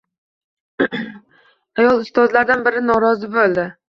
Ayol ustozlardan biri norozi bo‘ldi.